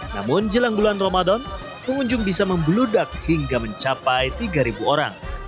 namun jelang bulan ramadan pengunjung bisa membeludak hingga mencapai tiga orang